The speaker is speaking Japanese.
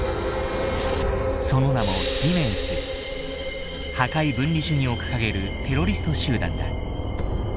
その名も破壊分離主義を掲げるテロリスト集団だ。